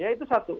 ya itu satu